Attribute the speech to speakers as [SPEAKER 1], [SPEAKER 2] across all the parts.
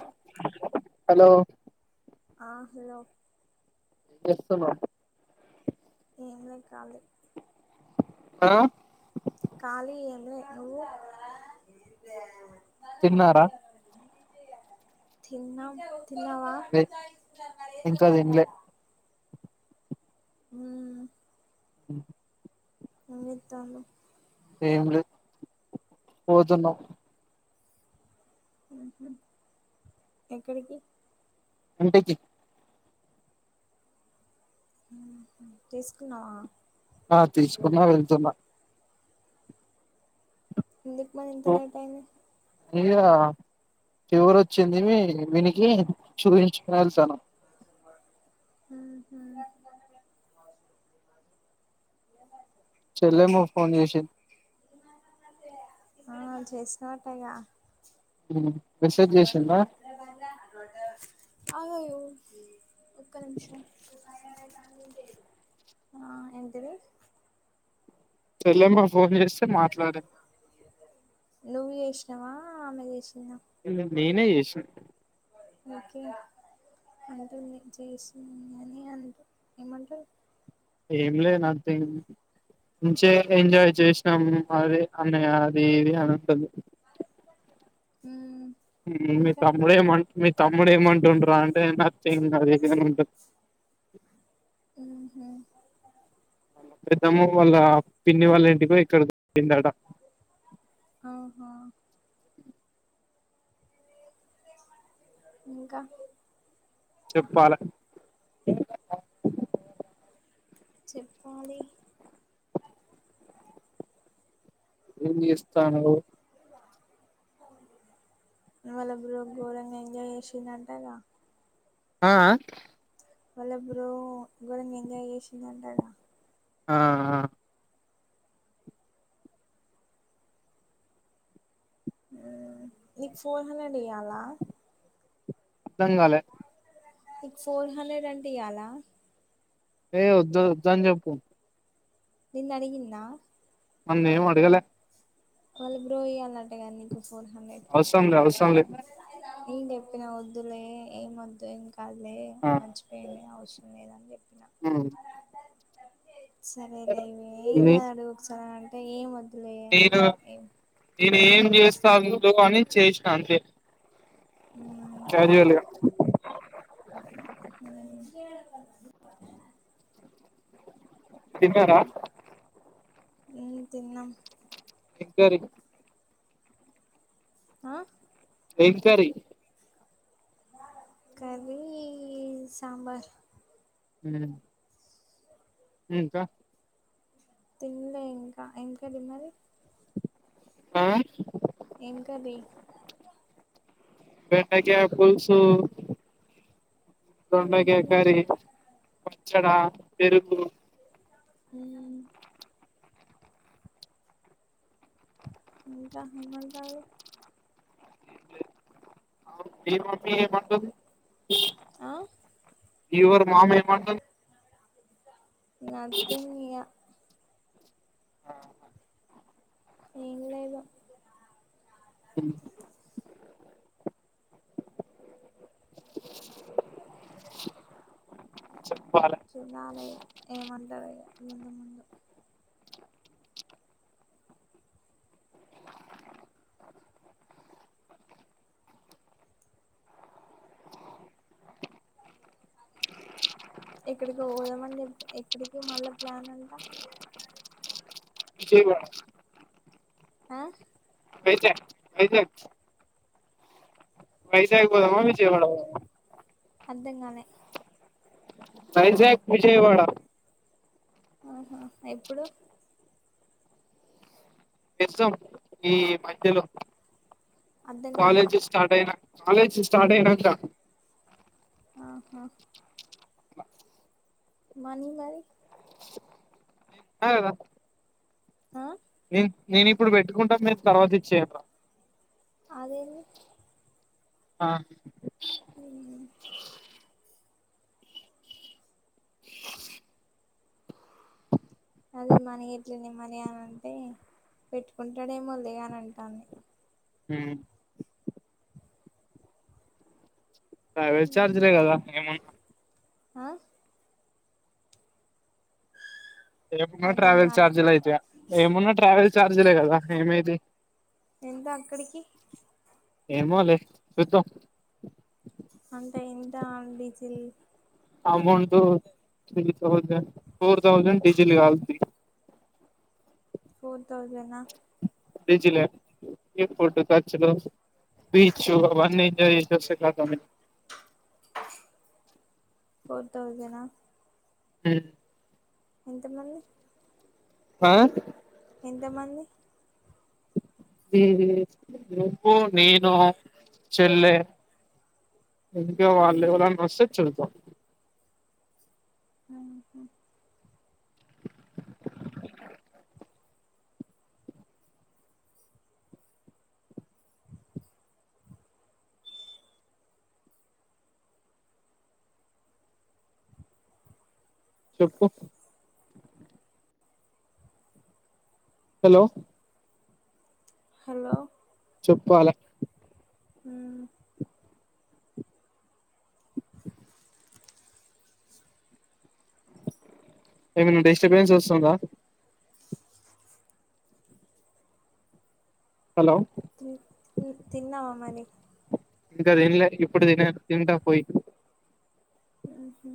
[SPEAKER 1] అ
[SPEAKER 2] hello
[SPEAKER 1] ఆ hello
[SPEAKER 2] చేస్తున్నావ్
[SPEAKER 1] ఎంలే కాళీ
[SPEAKER 2] ఆ
[SPEAKER 1] కాళీ ఏలే నువ్వు
[SPEAKER 2] తిన్నారా
[SPEAKER 1] తిన్నాం తిన్నవా
[SPEAKER 2] లే
[SPEAKER 1] న్నారు ఎ క
[SPEAKER 2] ఇంకా
[SPEAKER 1] మ
[SPEAKER 2] తినలే
[SPEAKER 1] [unintelligible] ఉ
[SPEAKER 2] ఉ
[SPEAKER 1] ఎం చేతాల్లు
[SPEAKER 2] ఏం లేదు పోతున్నాం
[SPEAKER 1] ఉహు ఎక్కడికి
[SPEAKER 2] ఇంటికి
[SPEAKER 1] ఉహు తీసుకున్నావా
[SPEAKER 2] ఆ తీసుకున్నా వెళ్తున్నా
[SPEAKER 1] ఎందుకు మరి ఇంత లేట్ అయింది
[SPEAKER 2] మీగా ఫీవర్ వచ్చిందివి వినికి చూపించుకుని వెళ్తాను
[SPEAKER 1] ఊహు ఏమైంది బుజ్జి
[SPEAKER 2] చెల్లేమ ఫోన్ చేసి
[SPEAKER 1] ఆ చేసనాటగా
[SPEAKER 2] మెసేజ్ చేసిందా
[SPEAKER 1] అగగొ ఒక్క నిమిషం ఆ ఏంతిది
[SPEAKER 2] చెల్లమ్మ ఫోన్ చేస్తే మాట్లాడిన్
[SPEAKER 1] నువ్వు చేసినావా ఆమె చేసిందా
[SPEAKER 2] ఎందుకు నేనే చేసినా
[SPEAKER 1] ఓకే అంటుంది చేసింది అని అంట ఏమంటారు
[SPEAKER 2] ఏం లేదు నథింగ్ మంచే ఎంజాయ్ చేసినాము అది అన్న అది ఇది అనింటుంది
[SPEAKER 1] ఊ
[SPEAKER 2] మీ తమ్ముడు ఏమంట మీ తమ్ముడు ఏమంటుంండ్రా అంటే నతింగ్ అది ఇది అని అంటుంది
[SPEAKER 1] ఊహు
[SPEAKER 2] పెద్దమ వాళ్ళ పిన్ని వాళ్ళ ఇంటికో ఎక్కడో పోయిందట
[SPEAKER 1] ఆహా ఇంకా
[SPEAKER 2] చెప్పాలే
[SPEAKER 1] చెప్పాలి
[SPEAKER 2] ఏం జేస్తండ్రు
[SPEAKER 1] వాళ్ళ బ్రో ఘోరంగా ఎంజాయ్ చేసిండంటగ
[SPEAKER 2] ఆ ఆ
[SPEAKER 1] వాళ్ళ బ్రో గోరంగా ఎంజాయ్ చేసిండంటగ
[SPEAKER 2] ఆ
[SPEAKER 1] ఆ నీకు ఫోన్ హెడ్ ఇయ్యాలా
[SPEAKER 2] ర్ధం కాలే
[SPEAKER 1] మీకు ఫోర్ హండ్రెడ్ అంటే ఇయలా
[SPEAKER 2] ఏ వద్దు వద్దని చెప్పు
[SPEAKER 1] నిన్ అడిగిందా
[SPEAKER 2] నన్నేం అడగలే
[SPEAKER 1] వాళ్ళు బ్రో ఇయ్యాలటగా నీకు ఫోర్ హండ్రెడ్
[SPEAKER 2] అవసరం లే అవసరం లేద్
[SPEAKER 1] నేను చెప్పిన వద్దులే ఏం వద్దు ఏం కాదులే
[SPEAKER 2] ఆ
[SPEAKER 1] మంచిపోయింది అవసరం లేదని చెప్పినా
[SPEAKER 2] ఆ
[SPEAKER 1] సరేలేవే ఏం
[SPEAKER 2] నే
[SPEAKER 1] గాదు అడుగు ఒకసారి అంటే ఏం వద్దు
[SPEAKER 2] నేను నేను ఏం చేస్తా వుండు అని చేసిన అంతే
[SPEAKER 1] ఊ
[SPEAKER 2] సరేలే
[SPEAKER 1] ఊ
[SPEAKER 2] తిన్నర
[SPEAKER 1] మ్ తిన్నా
[SPEAKER 2] ఏం కర్రీ
[SPEAKER 1] ఆ
[SPEAKER 2] ఏం కర్రీ?
[SPEAKER 1] కర్రీ సాంబార్.
[SPEAKER 2] మ్ మ్ ఇంకా
[SPEAKER 1] తినలే ఇంకా. ఇంకా డిన్నరు
[SPEAKER 2] ఆ
[SPEAKER 1] ఏం కర్రీ?
[SPEAKER 2] బెండకాయ పుల్సు, దొండకాయ కర్రీ. పచ్చడ, పెరుగు.
[SPEAKER 1] మ్ మ్ ఇంకా ఏమంటారు
[SPEAKER 2] మీ మమ్మీ ఏమంటుంది?
[SPEAKER 1] ఆ
[SPEAKER 2] యువర్ మామ్ ఏమంటుంది?
[SPEAKER 1] నథింగ్ ఇగ. ఏమి లేదు.
[SPEAKER 2] చెప్పాల
[SPEAKER 1] చూడాలి ఏమంటారో ఇగ ముందు ముందు ఎక్కడికో పోదామని చెప్పి, ఎక్కడికి మళ్ళా ప్లాన్ అంట
[SPEAKER 2] విజయవాడ
[SPEAKER 1] ఆ
[SPEAKER 2] వైజాగ్ వైజాగ్ వైజాగ్ పోదామా విజయవాడ పోదామా?
[SPEAKER 1] అర్థం కాలే
[SPEAKER 2] వైజాగ్, విజయవాడ.
[SPEAKER 1] ఆహా ఎప్పుడు?
[SPEAKER 2] ఎస్ద్దాం ఈ మధ్యలో
[SPEAKER 1] అర్ధం కాలే
[SPEAKER 2] కాలేజస్ స్టార్ట్ అయినా కాలేజ్ స్టార్ట్ అయినంక.
[SPEAKER 1] ఆహా
[SPEAKER 2] అట్ల
[SPEAKER 1] మనీ మరి?
[SPEAKER 2] నేనున్నా కదా
[SPEAKER 1] ఆ
[SPEAKER 2] నేను నేను ఇప్పుడు పెట్టుకుంటా మీరు తర్వాత ఇచ్చేయండి రా
[SPEAKER 1] అదేంది?
[SPEAKER 2] ఆ
[SPEAKER 1] మ్ అదే మని ఎట్ల అని మనీ అని అంటే నే పెట్టుకుంటాడేమోలే అని అంటాంది.
[SPEAKER 2] మ్ ట్రావెల్ చార్జరే కదా ఏమున్
[SPEAKER 1] ఆ
[SPEAKER 2] ఏమున్నా
[SPEAKER 1] అర్ధం
[SPEAKER 2] ట్రావెల్
[SPEAKER 1] కాలే
[SPEAKER 2] ఛార్జీలయితయా, ఏమున్నా ట్రావెల్ ఛార్జీలే కదా ఏమైతయి
[SPEAKER 1] ఎంతా అక్కడికి
[SPEAKER 2] ఏమోలే చూద్దాం
[SPEAKER 1] అంటే ఎంత diesel
[SPEAKER 2] amount three thousand four thousand diesel కాలింది
[SPEAKER 1] ఫోర్ థౌసంనా
[SPEAKER 2] డీజిలే ఇగ ఫుడ్ ఖర్చులు బీచ్ అవన్నీ ఎంజాయ్ చేసోస్తే కథం
[SPEAKER 1] ఫోర్ థౌస్జనా
[SPEAKER 2] ఉ
[SPEAKER 1] ఎంతమంది
[SPEAKER 2] ఆ
[SPEAKER 1] ఎంతమంది
[SPEAKER 2] నువ్వు నేను చెల్లె ఇంకా వాళ్ళు ఎవళ్ళన వస్తే చూద్దాం
[SPEAKER 1] ఆహ
[SPEAKER 2] చెప్పు హలో
[SPEAKER 1] హలో
[SPEAKER 2] చెప్పాలి
[SPEAKER 1] ఉమ్
[SPEAKER 2] ఏమైనా డిస్టబెన్స్ వస్తుందా హలో
[SPEAKER 1] తిన్నావా మరి
[SPEAKER 2] ఇంకా తిన్లే ఇప్పుడు తినే తింటా పోయి
[SPEAKER 1] ఉహు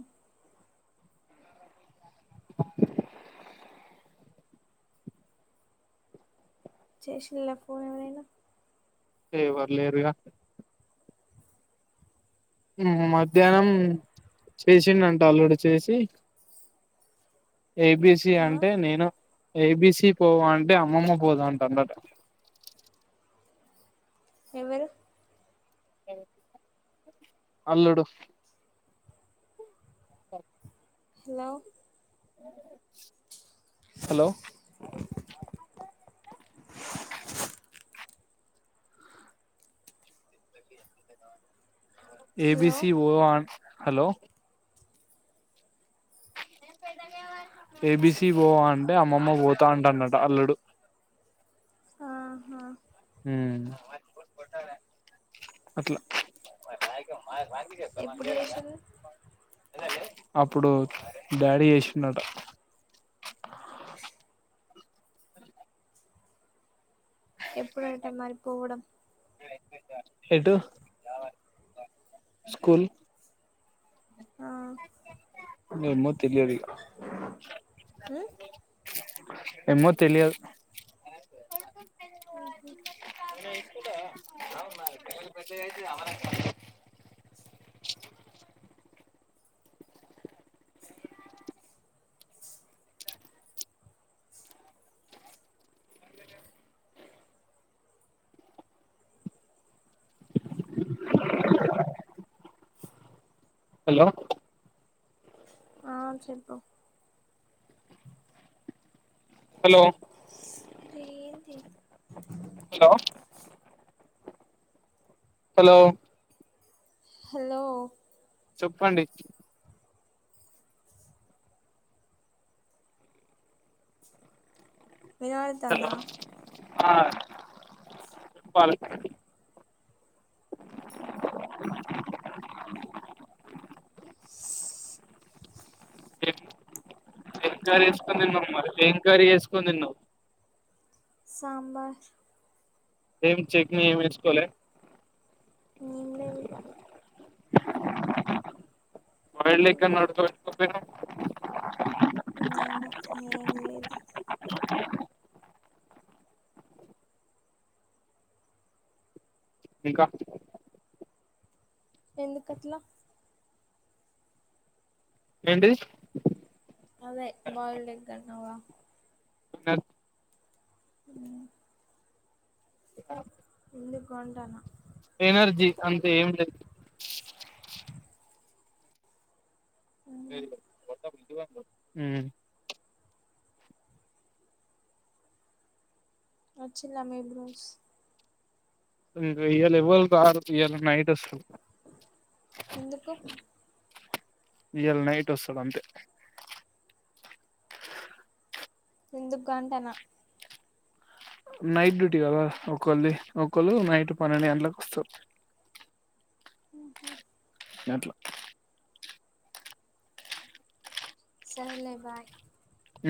[SPEAKER 1] చేసిల్లా ఫోన్ ఎవరైనా
[SPEAKER 2] ఎవర్ లేరుగా మధ్యాహ్నం చేసిండంట అల్లుడు చేసి ఏబిసి
[SPEAKER 1] ఆ
[SPEAKER 2] అంటే నేను ఏబిసి పోవ అంటే అమ్మమ్మ పోద అంటాడంట
[SPEAKER 1] ఎవరు
[SPEAKER 2] అల్లుడు ఓ
[SPEAKER 1] హలో
[SPEAKER 2] హలో
[SPEAKER 1] హలో
[SPEAKER 2] ఏబిసి పోదామా హలో ఏబిసీ పోవా అంటే అమ్మమ్మ పోతా అంటడంట అల్లుడు
[SPEAKER 1] ఆహా
[SPEAKER 2] ఉ అట్ల
[SPEAKER 1] ఎప్పుడు చేసిరు
[SPEAKER 2] అప్పుడు డాడీకి చేసిడంట
[SPEAKER 1] ఎప్పుడంట మరిపోవడం
[SPEAKER 2] ఎటు స్కూల్
[SPEAKER 1] ఆ
[SPEAKER 2] ఏమ్మో తెలియదు ఇక ఏమ్మో తెలియదు [unintelligible] అ హలో
[SPEAKER 1] అ చెప్పు
[SPEAKER 2] హలో
[SPEAKER 1] [unintelligible]
[SPEAKER 2] హలో హలో
[SPEAKER 1] హలో
[SPEAKER 2] చెప్పండి హలో
[SPEAKER 1] వినపడుతుందా
[SPEAKER 2] ఆ చెప్పాలి డు డు డు ఏ [unintelligible]
[SPEAKER 1] ఆ
[SPEAKER 2] ఎం కర్రీ చేసుకొని తిన్నావు
[SPEAKER 1] సాంబర్
[SPEAKER 2] ఏం చట్నీ ఏమి ఏసుకోవలే
[SPEAKER 1] [unintelligible]
[SPEAKER 2] బాయిల్డ్ ఎగ్ అన్న ఉడక పెట్టుకోకపోయినా
[SPEAKER 1] [unintelligible] ఏం లేదు
[SPEAKER 2] ఇంక
[SPEAKER 1] ఎందుకట్ల
[SPEAKER 2] ఏంటి
[SPEAKER 1] అదే బాయిల్డ్ [unintelligible]
[SPEAKER 2] న
[SPEAKER 1] ఎందుకు అంటాన
[SPEAKER 2] ఎనర్జీ అంటే ఏం లేదు మొత్తం ఇంటికి పంపు
[SPEAKER 1] వచ్చింద మీ బ్రోస్
[SPEAKER 2] [unintelligible] ఎవరు రారు ఇవల నైట్ ఓస్తరు
[SPEAKER 1] ఎందుకు
[SPEAKER 2] ఇయల నైట్ వస్తడు అంతే
[SPEAKER 1] ఎందుగ అంటాన
[SPEAKER 2] నైట్ డ్యూటీ కదా ఒకళది ఒకళ్ళు నైట్ పన్నెండు గంటలకి వస్తారు
[SPEAKER 1] ఉ హు
[SPEAKER 2] అట్ల
[SPEAKER 1] సరెలే బైయి
[SPEAKER 2] ఉ